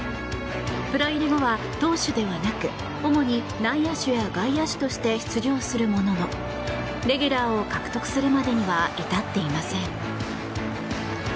プロ入り後は投手ではなく主に内野手や外野手として出場するもののレギュラーを獲得するまでには至っていません。